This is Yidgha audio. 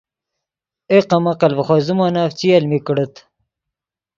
اے کم عقل ڤے خوئے زیمونف چی المی کڑیت